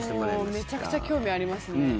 もうめちゃくちゃ興味ありますね。